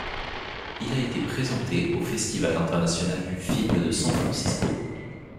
Il a été présenté au festival international du film de San Francisco.